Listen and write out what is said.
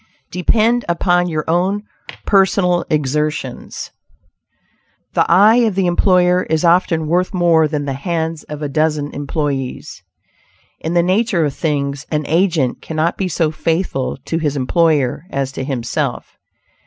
DEPEND UPON YOUR OWN PERSONAL EXERTIONS. The eye of the employer is often worth more than the hands of a dozen employees. In the nature of things, an agent cannot be so faithful to his employer as to himself.